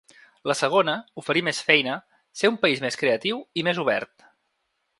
La segona, oferir més feina, ser un país més creatiu i més obert.